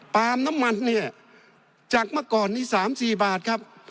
ปาล์มน้ำมันจากมาก่อนนี้๓๔บาทครับ